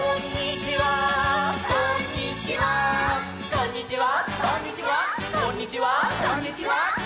「こんにちは」